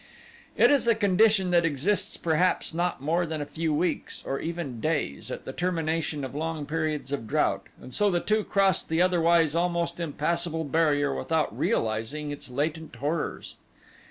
It is a condition that exists perhaps not more than a few weeks, or even days at the termination of long periods of drought, and so the two crossed the otherwise almost impassable barrier without realizing its latent terrors.